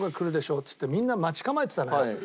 っつってみんな待ち構えてたのよ。